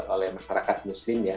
oleh masyarakat muslim ya